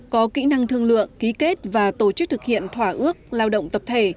có kỹ năng thương lượng ký kết và tổ chức thực hiện thỏa ước lao động tập thể